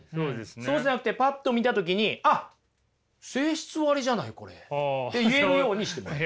そうじゃなくてパッと見た時に「あっ性質割じゃないこれ」って言えるようにしてもらう。